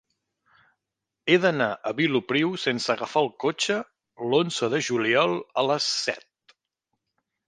He d'anar a Vilopriu sense agafar el cotxe l'onze de juliol a les set.